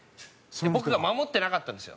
僕が守ってなかったんですよ。